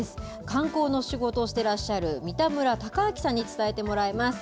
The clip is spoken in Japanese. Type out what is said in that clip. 観光の仕事をしてらっしゃる三田村孝晃さんに伝えてもらいます。